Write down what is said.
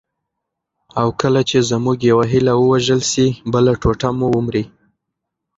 او کله چي زموږ یوه هیله ووژل سي، بله ټوټه مو ومري.